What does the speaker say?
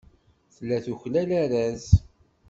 Tella tuklal arraz.